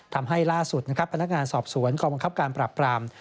ทำให้ล่าสุดนะครับพนักงานสอบสวนกองบังคับการปราบปราม